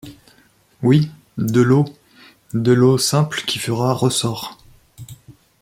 Oui ! de l’eau ! de l’eau simple qui fera ressort…